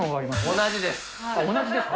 同じですか？